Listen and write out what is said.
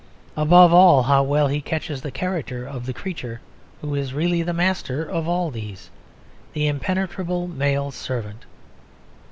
Above all, how well he catches the character of the creature who is really the master of all these: the impenetrable male servant.